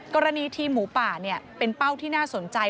กรณีทีมหมูป่าเป็นเป้าที่น่าสนใจ